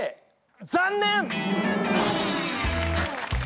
残念！